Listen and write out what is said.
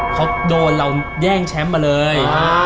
เขาโดนเราแย่งแชมป์มาเลย